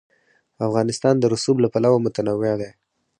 افغانستان د رسوب له پلوه متنوع دی.